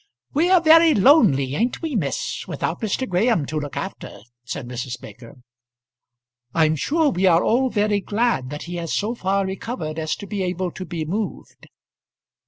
"We are very lonely, ain't we, miss, without Mr. Graham to look after?" said Mrs. Baker. "I'm sure we are all very glad that he has so far recovered as to be able to be moved."